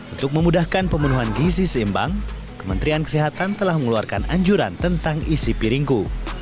untuk memudahkan pemenuhan gizi seimbang kementerian kesehatan telah mengeluarkan anjuran tentang isi piringku